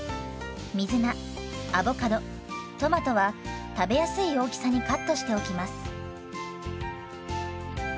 水菜アボカドトマトは食べやすい大きさにカットしておきます。